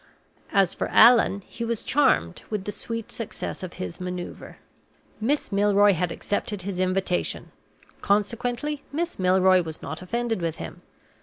As for Allan, he was charmed with the sweet success of his maneuver. Miss Milroy had accepted his invitation; consequently, Miss Milroy was not offended with him.